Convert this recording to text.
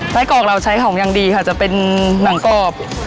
ไส้กรอกเราใช้ของอย่างดีค่ะจะเป็นหนังกรอบ